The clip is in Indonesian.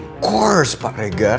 tentu pak regar